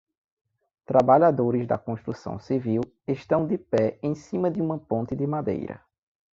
Trabalhadores da construção civil estão de pé em cima de uma ponte de madeira.